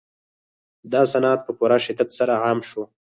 دا صنعت په پوره شدت سره عام شو